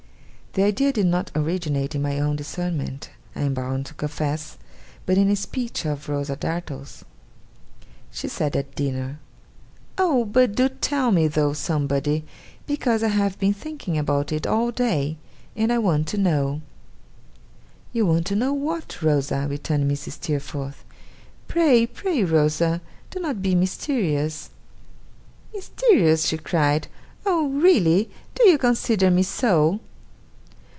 The idea did not originate in my own discernment, I am bound to confess, but in a speech of Rosa Dartle's. She said at dinner: 'Oh, but do tell me, though, somebody, because I have been thinking about it all day, and I want to know.' 'You want to know what, Rosa?' returned Mrs. Steerforth. 'Pray, pray, Rosa, do not be mysterious.' 'Mysterious!' she cried. 'Oh! really? Do you consider me so?